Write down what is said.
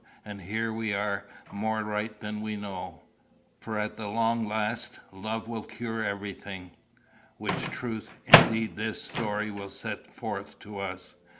And here we are more right than we know; for, at the long last, love will cure everything: which truth, indeed, this story will set forth to us.